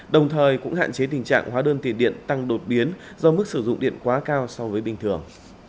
đồng thời cũng hạn chế tình trạng hóa đơn tiền điện tăng đột biến do mức sử dụng điện quá cao so với bình thường